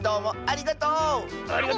ありがとう！